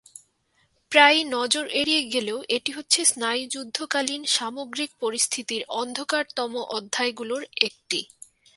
প্রায়ই নজর এড়িয়ে গেলেও এটি হচ্ছে স্নায়ুযুুদ্ধকালীন সামগ্রিক পরিস্থিতির অন্ধকারতম অধ্যায়গুলোর একটি।